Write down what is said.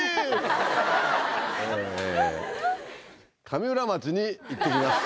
上浦町に行って来ます。